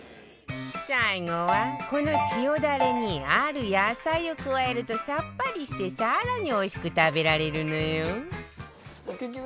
最後はこの塩ダレにある野菜を加えるとさっぱりして更においしく食べられるのよ